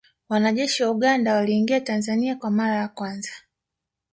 Wanajeshi wa Uganda waliingia Tanzania kwa mara ya kwanza